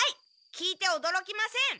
聞いておどろきません。